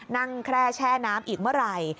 แคร่แช่น้ำอีกเมื่อไหร่